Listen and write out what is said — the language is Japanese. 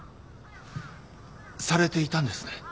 されていたんですね？